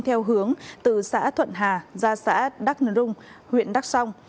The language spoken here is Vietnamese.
theo hướng từ xã thuận hà ra xã đắk nung huyện đắk trong